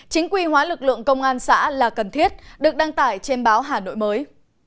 chính quy hóa lực lượng công an xã là cần thiết được đăng tải trên báo hà nội mới